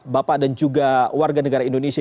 bapak dan juga warga negara indonesia